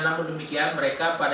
namun demikian mereka pada